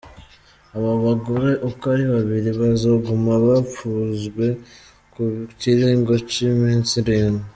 Abo bagore uko ari babiri bazoguma bapfunzwe ku kiringo c'iminsi indwi.